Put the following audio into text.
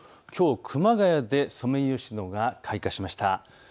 きょう熊谷でソメイヨシノが開花しました。